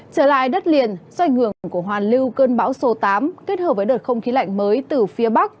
trở lại đất liền do ảnh hưởng của hoàn lưu cơn bão số tám kết hợp với đợt không khí lạnh mới từ phía bắc